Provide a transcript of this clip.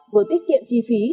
vừa tiết kiệm chi phí